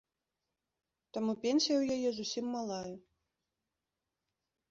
Таму пенсія ў яе зусім малая.